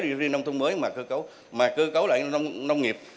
riêng nông thôn mới mà cơ cấu lại nông nghiệp